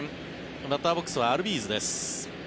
バッターボックスはアルビーズです。